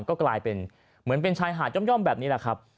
ก็กลายเป็นเหมือนเป็นชายหาดย่อมแบบนี้แหละครับ